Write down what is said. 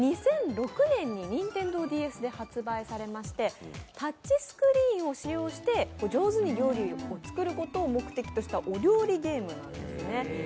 ２００６年にニンテンドーＤＳで発売されましてタッチスクリーンを使用して上手に料理を作ることを目的としたお料理ゲームなんですね。